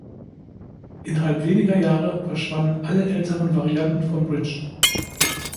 Innerhalb weniger Jahre verschwanden alle älteren Varianten von Bridge.